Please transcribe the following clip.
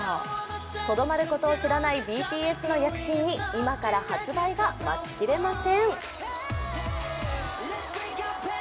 とどまることを知らないＢＴＳの躍進に今から発売が待ちきれません。